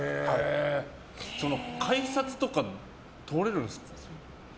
改札とか通れるんですか？